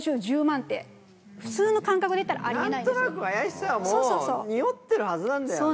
何となく怪しさはもうニオってるはずなんだよね。